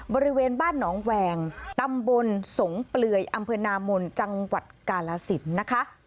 บริเวณบ้านหนองแวงตำบลสงเปลือยอำเภอนามนจังหวัดกาลสินนะคะ